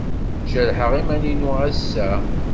Jerḥeɣ iman-inu ass-a.